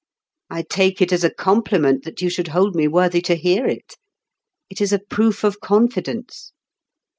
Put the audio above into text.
I take it as a compliment that you should hold me worthy to hear it. It is a proof of confidence.